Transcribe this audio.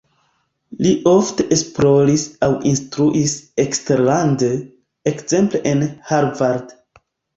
Li ofte esploris aŭ instruis eksterlande, ekzemple en Harvard.